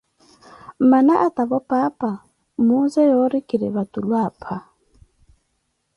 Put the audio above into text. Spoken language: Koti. Amana atavo paapa, mmuuze yori kiri vatulu apha.